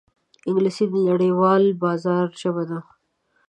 انګلیسي د نړیوال بازار ژبه ده